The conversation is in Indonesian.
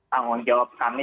tanggung jawab kami